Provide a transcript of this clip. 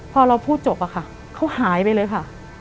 พอเราพูดจบอะค่ะเขาหายไปเลยค่ะ